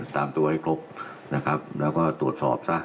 ตามตัวให้ครบนะครับแล้วก็ตรวจสอบซะ